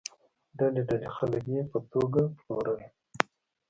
ډلې ډلې خلک یې په توګه پلورل.